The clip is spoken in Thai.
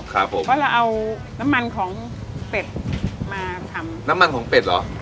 เพราะเราเอาน้ำมันของเป็ดมาทำน้ำมันของเป็ดเหรอ